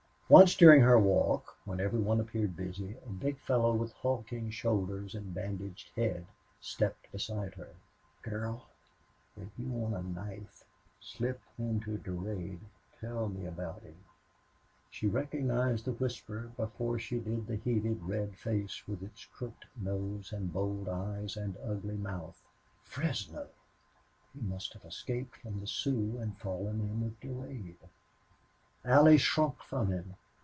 Once during her walk, when every one appeared busy, a big fellow with hulking shoulders and bandaged head stepped beside her. "Girl," he whispered, "if you want a knife slipped into Durade, tell him about me!" Allie recognized the whisper before she did the heated, red face with its crooked nose and bold eyes and ugly mouth. Fresno! He must have escaped from the Sioux and fallen in with Durade. Allie shrunk from him.